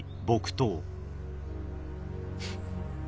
フッ。